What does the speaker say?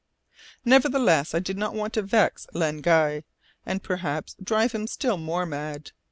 Nevertheless I did not want to vex Len Guy, and perhaps drive him still more mad.